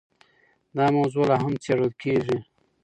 دا موضوع لا هم څېړل کېږي.